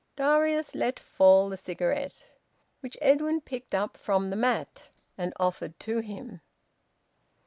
Darius let fall the cigarette, which Edwin picked up from the mat, and offered to him.